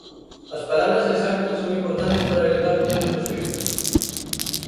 As palabras exactas son importantes para loitar contra os prexuízos?